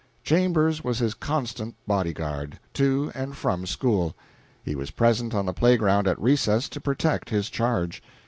Chambers was his constant body guard, to and from school; he was present on the playground at recess to protect his charge.